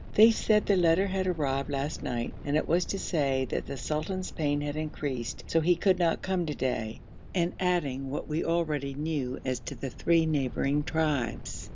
They said the letter had arrived last night and it was to say that the sultan's pain had increased, so he could not come to day, and adding what we already knew as to the three neighbouring tribes.